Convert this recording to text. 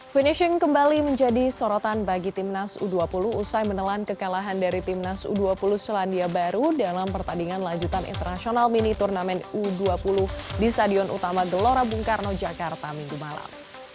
finishing kembali menjadi sorotan bagi timnas u dua puluh usai menelan kekalahan dari timnas u dua puluh selandia baru dalam pertandingan lanjutan internasional mini turnamen u dua puluh di stadion utama gelora bung karno jakarta minggu malam